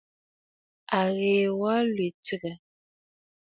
Ɨ́ɣèè wā ɨ́ í tʃégə́.